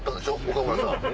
岡村さん。